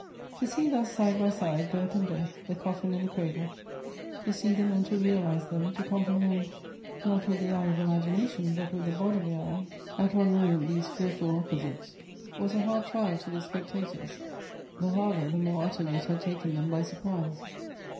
To see thus side by side birth and death, the coffin and the cradle, to see them and to realize them, to compre hend, not with the eye of imagination, but with the bodily eye, at one moment these fearful opposites, was a hard trial to the spectators; the harder, the more utterly it had taken them by surprise.